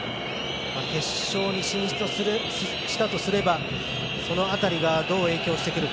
決勝に進出したとすればその辺りがどう影響してくるか。